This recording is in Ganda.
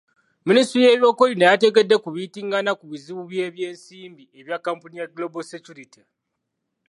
Minisitule y'ebyokwerinda yategedde ku biyitingana ku bizibu by'ebyensimbi ebya kkampuni ya Global Security.